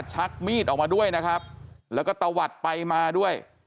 ชักมีดออกมาด้วยนะครับแล้วก็ตะวัดไปมาด้วย